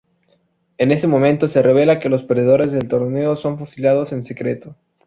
En ese momento se revela que los perdedores del torneo son fusilados en secreto.